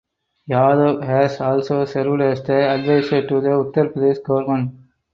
Yadav has also served as the advisor to the Uttar Pradesh government.